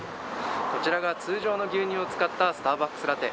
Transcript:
こちらが通常の牛乳を使ったスターバックスラテ